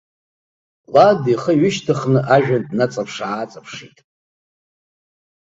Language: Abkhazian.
Лад ихы ҩышьҭыхны ажәҩан днаҵаԥш-ааҵаԥшит.